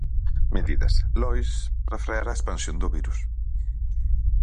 Medidas, Lois, para frear a expansión do virus.